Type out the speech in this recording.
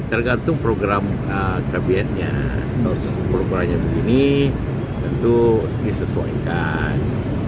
tergantung program kabinetnya programnya begini tentu disesuaikan